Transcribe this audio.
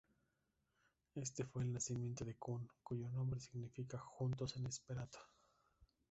Este fue el nacimiento de Kune, cuyo nombre significa "juntos" en esperanto.